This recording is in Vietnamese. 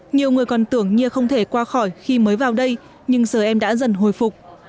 nhiều người còn tưởng như không thể qua khỏi khi mới vào đây nhưng giờ em đã dần hồi phục